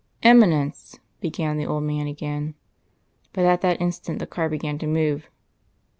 "Eminence," began the old man again. But at that instant the car began to move.